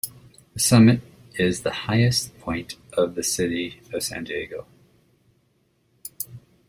The summit is the highest point of the city of San Diego.